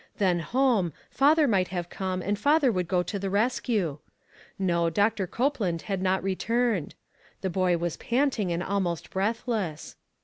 Then home, father might have come, and father would go to the rescue. No, Doctor Cope land had not returned. The boy was pant ing, and almost breathless.